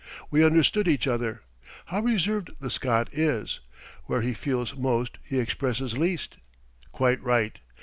We understood each other. How reserved the Scot is! Where he feels most he expresses least. Quite right.